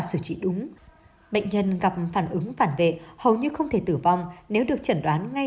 xử trị đúng bệnh nhân gặp phản ứng phản vệ hầu như không thể tử vong nếu được chẩn đoán ngay